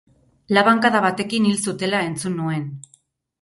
Labankada batekin hil zutela entzun nuen.